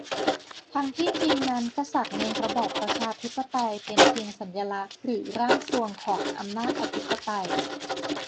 ทั้งที่จริงนั้นกษัตริย์ในระบอบประชาธิปไตยเป็นเพียงสัญลักษณ์หรือ "ร่างทรวง" ของอำนาจอธิปไตย